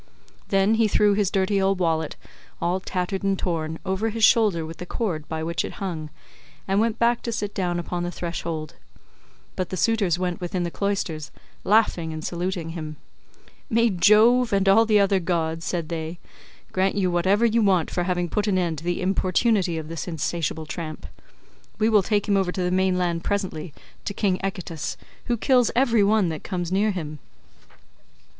Then he threw his dirty old wallet, all tattered and torn over his shoulder with the cord by which it hung, and went back to sit down upon the threshold; but the suitors went within the cloisters, laughing and saluting him, "May Jove, and all the other gods," said they, "grant you whatever you want for having put an end to the importunity of this insatiable tramp. We will take him over to the mainland presently, to king Echetus, who kills every one that comes near him."